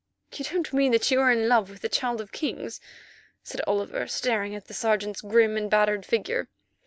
"You don't mean that you are in love with the Child of Kings?" said Oliver, staring at the Sergeant's grim and battered figure.